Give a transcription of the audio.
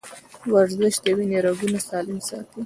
ورزش د وینې رګونه سالم ساتي.